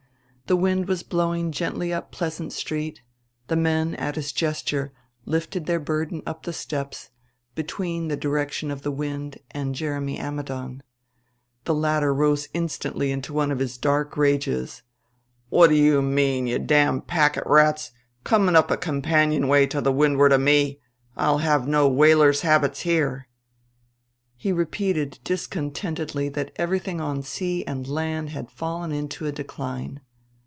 The wind was blowing gently up Pleasant Street; the men, at his gesture, lifted their burden up the steps, between the direction of the wind and Jeremy Ammidon. The latter rose instantly into one of his dark rages: "What do you mean, you damned packetrats coming up a companionway to the windward of me! I'll have no whalers' habits here." He repeated discontentedly that everything on sea and land had fallen into a decline.